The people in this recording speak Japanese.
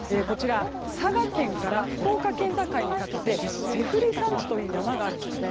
佐賀県から福岡県境にかけて背振山地という山があるんですね。